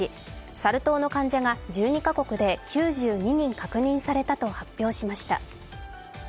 サル痘の患者が１２カ国で９２人確認されたと発表しました。